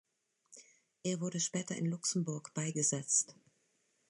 Er wurde später in Luxemburg beigesetzt.